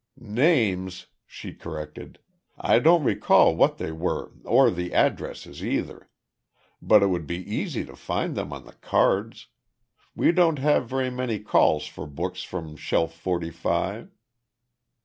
"Names," she corrected. "I don't recall what they were or the addresses, either. But it would be easy to find them on the cards. We don't have very many calls for books from Shelf Forty five."